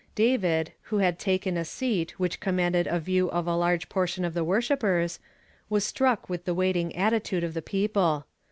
David, who had taken a seat which commanded a view of a large portion of the worshippers, was struck with the \\aiting at titude of the people.